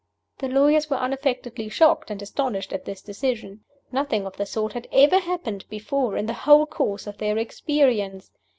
The lawyers were unaffectedly shocked and astonished at this decision. Nothing of the sort had ever happened before in the whole course of their experience.